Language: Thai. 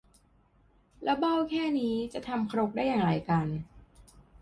แล้วเบ้าแค่นี้จะทำครกได้อย่างไรกัน